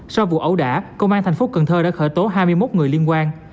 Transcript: sau vụ ẩu đả công an tp cnh đã khởi tố hai mươi một người liên quan